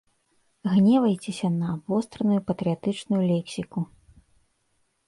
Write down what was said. Гневайцеся на абвостраную патрыятычную лексіку.